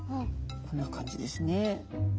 こんな感じですね。